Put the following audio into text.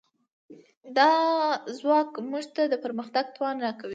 دا ځواک موږ ته د پرمختګ توان راکوي.